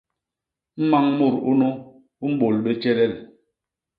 Mañ mut unu u mbôl bé tjelel.